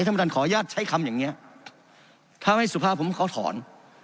ท่านประธานขออนุญาตใช้คำอย่างนี้ถ้าไม่สุภาพผมเขาถอน